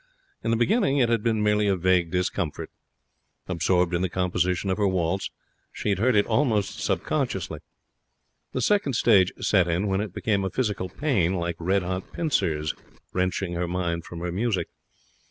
In the beginning it had been merely a vague discomfort. Absorbed in the composition of her waltz, she had heard it almost subconsciously. The second stage set in when it became a physical pain like red hot pincers wrenching her mind from her music.